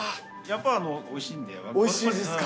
おいしいですか。